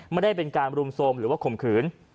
ไม่ได้เป็นการรุมโทรมหรือว่าข่มขืน